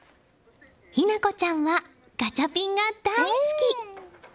妃那子ちゃんはガチャピンが大好き！